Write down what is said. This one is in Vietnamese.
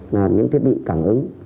là những thiết bị cảng ứng